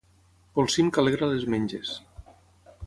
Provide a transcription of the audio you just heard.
Polsim que alegra les menges.